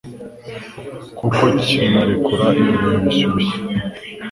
kuko kinarekura ibibuye bishyushye